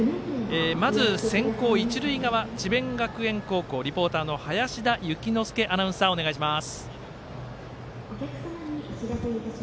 まず先攻、一塁側智弁学園高校リポートの林田幸之介ナウンサーお願いします。